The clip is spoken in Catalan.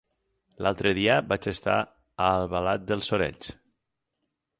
L'altre dia vaig estar a Albalat dels Sorells.